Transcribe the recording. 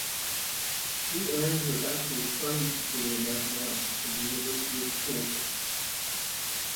She earned her Bachelor of Science degree in Mathematics from the University of Kansas.